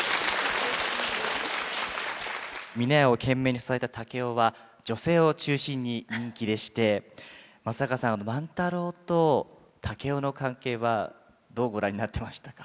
峰屋を懸命に支えた竹雄は女性を中心に人気でして松坂さん万太郎と竹雄の関係はどうご覧になってましたか？